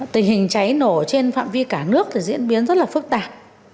tình hình cháy nổ trên phạm vi cả nước thì diễn biến rất là phức tạp